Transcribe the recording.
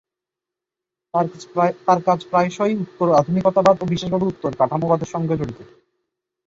তাঁর কাজ প্রায়শই উত্তর-আধুনিকতাবাদ ও বিশেষভাবে উত্তর-কাঠামোবাদের সঙ্গে জড়িত।